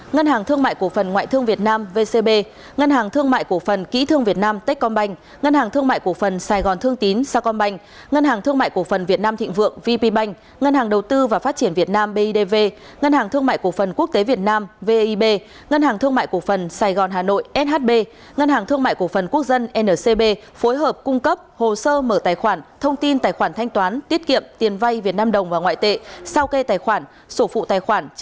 ngân hàng thương mại cổ phần ngoại thương việt nam vcb ngân hàng thương mại cổ phần kỹ thương việt nam tết con banh ngân hàng thương mại cổ phần sài gòn thương tín sa con banh ngân hàng thương mại cổ phần việt nam thịnh vượng vp banh ngân hàng đầu tư và phát triển việt nam bidv ngân hàng thương mại cổ phần quốc tế việt nam vib ngân hàng thương mại cổ phần sài gòn hà nội shb ngân hàng thương mại cổ phần quốc dân ncb phối hợp cung cấp hồ sơ mở tài khoản thông tin tài khoản thanh toán tiết kiệm tiền vay việt nam đồng và ngoại tệ sao kê tài